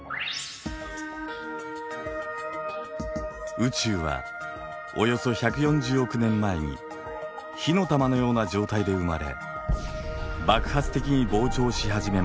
宇宙はおよそ１４０億年前に火の玉のような状態で生まれ爆発的に膨張し始めました。